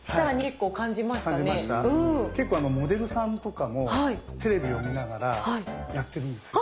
結構モデルさんとかもテレビを見ながらやってるんですよ。